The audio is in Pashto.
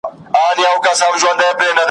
جذاب اوسېدل یانې په سمه طریقه خبرې کول.